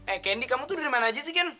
eh kendi kamu tuh dari mana aja sih ken